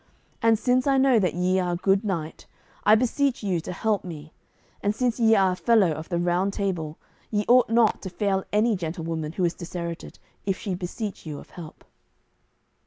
And since I know that ye are a good knight I beseech you to help me; and since ye are a fellow of the Round Table, ye ought not to fail any gentlewoman which is disherited, if she beseech you of help."